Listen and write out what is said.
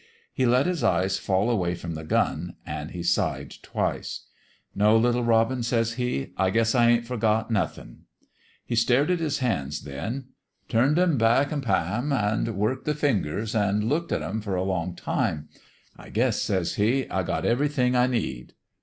He let his eyes fall away from the gun ; an' he sighed twice. ' No, little robin,' says he. ' I guess I ain't forgot nothin'.' He stared at his hands, then turned What HAPPENED to TOM HITCH 231 'em back an' pa'm, an' worked the fingers, an' looked at 'em for a long time. ' I guess,' says he, ' I got everything I need.'